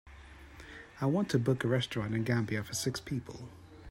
I want to book a restaurant in Gambia for six people.